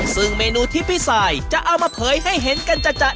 ซึ่งเมนูที่พี่สายจะเอามาเผยให้เห็นกันจัด